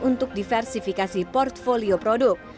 untuk diversifikasi portfolio produk